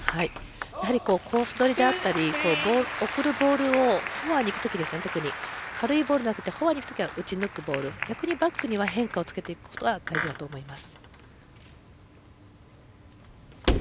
コースどりであったり送るボールをフォアにいく時軽いボールではなくてフォアにいく時は軽いボール逆にバックには変化をつけていくことは大事だと思います。